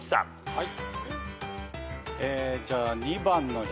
はい。